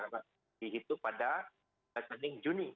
dihitung pada rekening juni